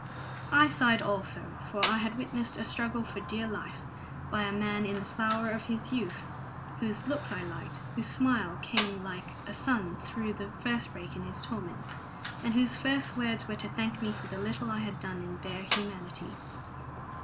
I sighed also, for I had witnessed a struggle for dear life by a man in the flower of his youth, whose looks I liked, whose smile came like the sun through the first break in his torments, and whose first words were to thank me for the little I had done in bare humanity.